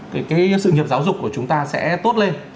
cái sự nghiệp giáo dục của chúng ta sẽ tốt lên